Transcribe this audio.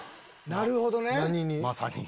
なるほどね！